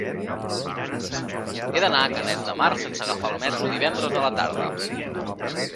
He d'anar a Canet de Mar sense agafar el metro divendres a la tarda.